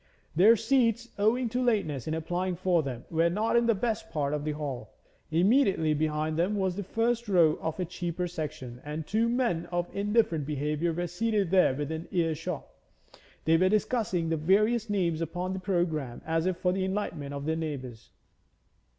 Their seats, owing to lateness in applying for them, were not in the best part of the hall; immediately behind them was the first row of a cheaper section, and two men of indifferent behaviour were seated there within ear shot; they were discussing the various names upon the programme as if for the enlightenment of their neighbours.